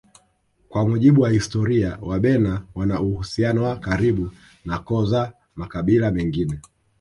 Kwa mujibu wa historia wabena wana uhusiano wa karibu na koo za makabila mengine